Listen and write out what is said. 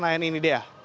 di daerah senayan ini